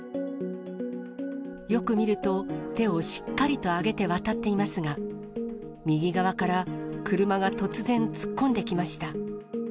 よく見ると、手をしっかり上げて渡っていますが、右側から車が突然突っ込んできました。